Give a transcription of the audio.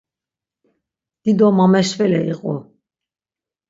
Dido mameşvele iqu.